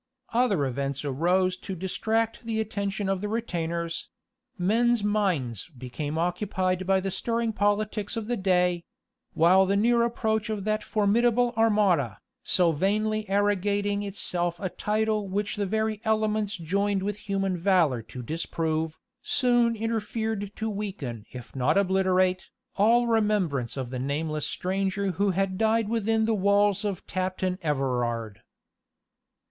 Other events arose to distract the attention of the retainers; men's minds became occupied by the stirring politics of the day; while the near approach of that formidable armada, so vainly arrogating itself a title which the very elements joined with human valor to disprove, soon interfered to weaken, if not obliterate, all remembrance of the nameless stranger who had died within the walls of Tapton Everard.